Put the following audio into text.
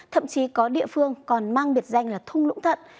thậm chí có địa phương còn mang biệt danh là thung lũng thận